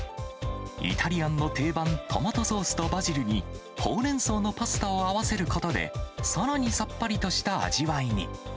イタリアンの定番、トマトソースとバジルにほうれんそうのパスタを合わせることで、さらにさっぱりとした味わいに。